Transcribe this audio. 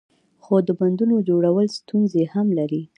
خو د بندونو جوړول ستونزې هم لري.